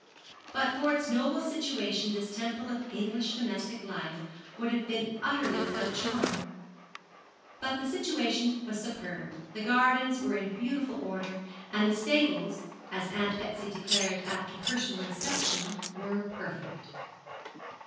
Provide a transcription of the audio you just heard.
But for its noble situation this temple of English domestic life would have been utterly without charm; but the situation was superb, the gardens were in beautiful order, and the stables, as Aunt Betsy declared after personal inspection, were perfect.